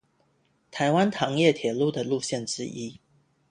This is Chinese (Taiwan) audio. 臺灣糖業鐵路的路線之一